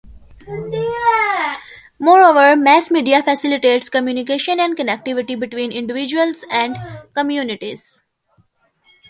Moreover, mass media facilitates communication and connectivity between individuals and communities.